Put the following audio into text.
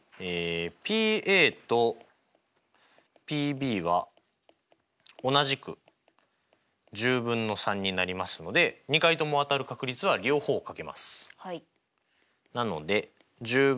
ＰとＰは同じく１０分の３になりますので２回とも当たる確率は両方をかけます。